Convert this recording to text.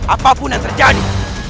apapun yang terjadi